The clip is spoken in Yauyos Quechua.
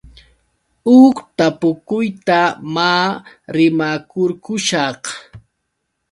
Huk tapukuyta maa rimakurqushaq.